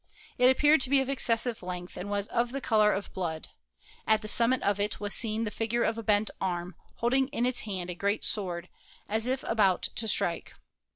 It appeared to be of excessive length, and was of the color of blood. At the summit of it was seen the figure of a 230 ASTRONOMY bent arm, holding in its hand a great sword, as if about to strike.